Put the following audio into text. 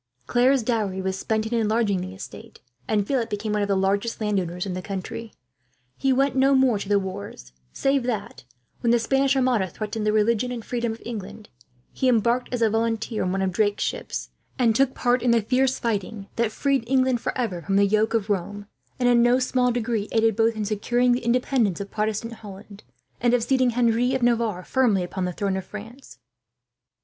Claire's dowry was spent in enlarging the estate, and Philip became one of the largest landowners in the county. He went no more to the wars, save that, when the Spanish armada threatened the religion and freedom of England, he embarked as a volunteer in one of Drake's ships, and took part in the fierce fighting that freed England for ever from the yoke of Rome, and in no small degree aided both in securing the independence of Protestant Holland, and of seating Henry of Navarre firmly upon the throne of France.